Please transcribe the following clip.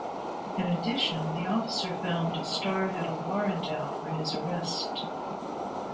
In addition, the officer found Starr had a warrant out for his arrest.